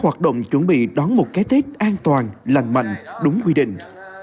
hoạt động chuẩn bị đón một cái tết an toàn lành mạnh đúng quy định